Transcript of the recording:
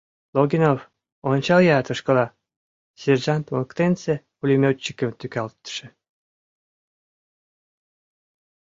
— Логинов, ончал-я тышкыла! — сержант воктенсе пулемётчикым тӱкалтыше